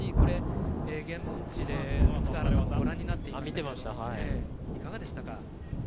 現地で塚原さんはご覧になっていましたけどいかがでしたか？